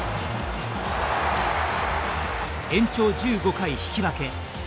延長１５回引き分け。